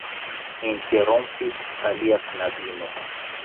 interrompis alia knabino.